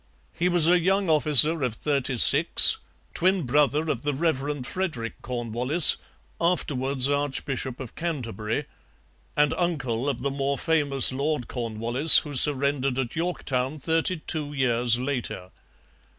He was a young officer of thirty six, twin brother of the Rev. Frederick Cornwallis, afterwards Archbishop of Canterbury, and uncle of the more famous Lord Cornwallis who surrendered at Yorktown thirty two years later.